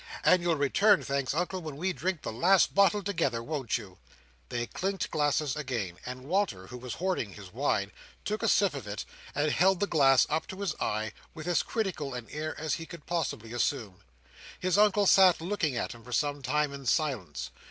and you'll return thanks, Uncle, when we drink the last bottle together; won't you?" They clinked their glasses again; and Walter, who was hoarding his wine, took a sip of it, and held the glass up to his eye with as critical an air as he could possibly assume. His Uncle sat looking at him for some time in silence.